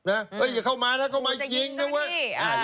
เอ้ยเพราะอย่าเข้ามานะเข้ามายิงนะเว้ย